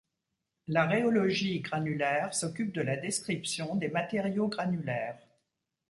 La rhéologie granulaire s'occupe de la description des matériaux granulaires.